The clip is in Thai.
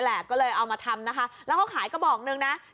แล้วเขาก็บอก๑นะ